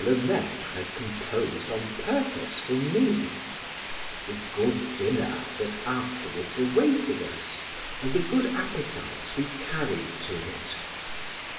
le Maitre had composed on purpose for me; the good dinner that afterwards awaited us, and the good appetites we carried to it.